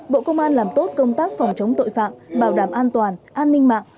bộ công an làm tốt công tác phòng chống tội phạm bảo đảm an toàn an ninh mạng